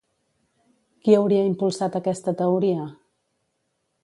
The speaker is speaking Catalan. Qui hauria impulsat aquesta teoria?